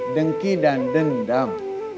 dengki dan dendam